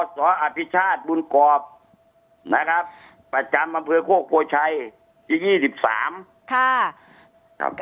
อศอภิชาติบุญกรอบประจำบังเผยโภคโภชัยยี่ยี่สิบสาม